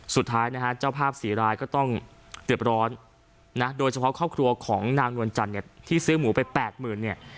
สุดท้ายเจ้าภาพศรีรายก็ต้องเตรียบร้อนโดยเฉพาะครอบครัวของนางนวลจันทร์ที่ซื้อหมูไป๘๐๐๐๐บาท